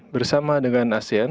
bersama dengan asean